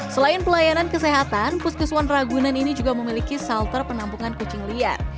selain pelayanan kesehatan puskeswan ragunan ini juga memiliki salter penampungan kucing liar